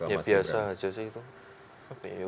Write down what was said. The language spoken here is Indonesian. ya biasa aja sih itu